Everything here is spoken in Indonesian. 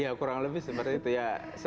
ya kurang lebih seperti itu ya